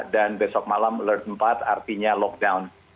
dan besok malam alert empat artinya lockdown